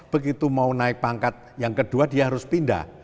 begitu mau naik pangkat yang kedua dia harus pindah